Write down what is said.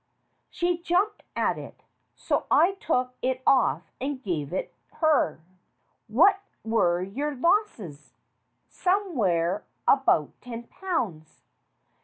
She jumped at it, so I took it off and gave it her." "What were your losses ?" "Somewhere about ten pounds."